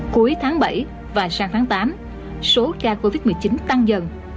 cuối tháng bảy và sang tháng tám số ca covid một mươi chín tăng dần